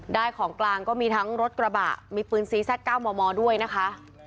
ของกลางก็มีทั้งรถกระบะมีปืนซีซัด๙มมด้วยนะคะ